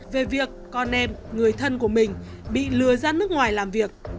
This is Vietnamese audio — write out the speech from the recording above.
về việc con em người thân của mình bị lừa ra nước ngoài làm việc